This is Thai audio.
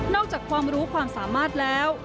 อกจากความรู้ความสามารถแล้ว